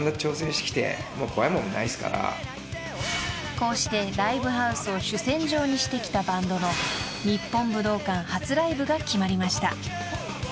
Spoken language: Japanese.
［こうしてライブハウスを主戦場にしてきたバンドの日本武道館初ライブが決まりました］